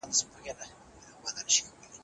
موږ کولای شو ټولنیز قوتونه وپېژنو.